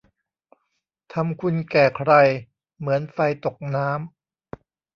ทำคุณแก่ใคร เหมือนไฟตกน้ำ